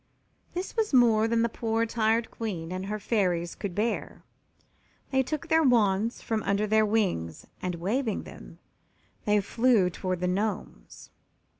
This was more than the poor tired Queen and her Fairies could bear. They took their wands from under their wings and, waving them, they flew toward the Gnomes.